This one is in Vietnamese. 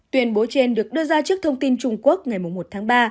tuyên bố trên được đưa ra trước thông tin trung quốc ngày một tháng ba